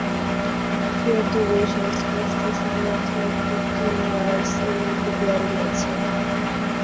চূড়াটি বেশ অস্পষ্ট, শুধুমাত্র একটি কেয়ার্নস এবং একটি দেয়াল রয়েছে।